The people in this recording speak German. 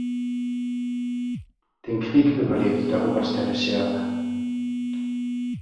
Den Krieg überlebte der Oberst der Reserve.